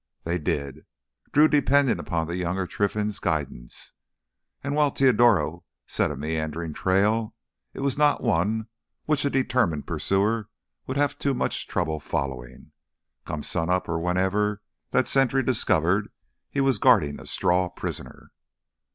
They did, Drew depending on the younger Trinfan's guidance. And, while Teodoro set a meandering trail, it was not one which a determined pursuer would have too much trouble following, come sunup or whenever that sentry discovered he was guarding a straw prisoner.